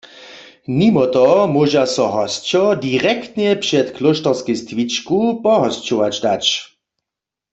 Nimo toho móža so hosćo direktnje před Klóšterskej stwičku pohosćować dać.